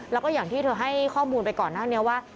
แล้วก็อย่างที่เธอให้ข้อมูลไปก่อนหน้านี้ว่า